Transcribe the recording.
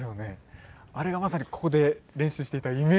あれがまさにここで練習していたイメージの。